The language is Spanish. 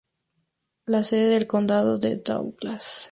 La sede del condado es Douglas.